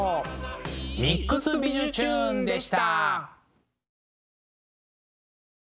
「ＭＩＸびじゅチューン！」でした。